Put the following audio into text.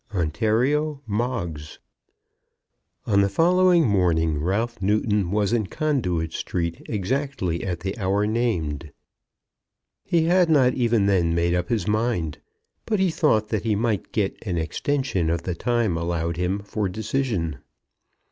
ONTARIO MOGGS. On the following morning Ralph Newton was in Conduit Street exactly at the hour named. He had not even then made up his mind; but he thought that he might get an extension of the time allowed him for decision.